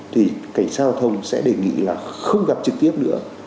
thì cảnh sát giao thông sẽ đề nghị là không gặp trực tiếp nữa